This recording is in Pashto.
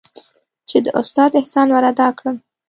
چې د استاد احسان ورادا کړم.